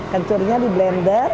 kencurnya di blender